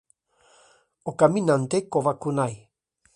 Ōkami nante kowakunai!!